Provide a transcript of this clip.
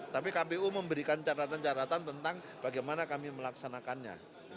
tapi kpu memberikan catatan catatan tentang bagaimana kami melaksanakannya